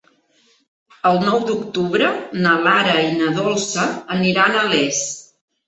El nou d'octubre na Lara i na Dolça aniran a Les.